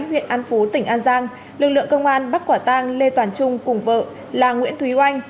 huyện an phú tỉnh an giang lực lượng công an bắt quả tang lê toàn trung cùng vợ là nguyễn thúy oanh